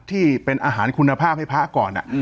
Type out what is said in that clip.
ที่เป็นอาหารคุณภาพให้พระก่อน